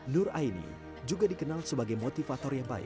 nur aini juga dikenal sebagai motivator yang baik